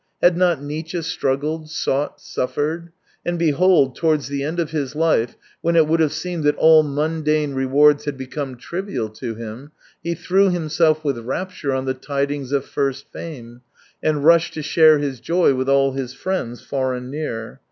Had not Nietzsche struggled, sought, suffered ?— and behold, towards the end of his life, when it would have seemed that all mundane rewards had become trivial to him, he threw himself with rapture on the tidings of first fame, and rushed to share his joy with all his friends, far and near.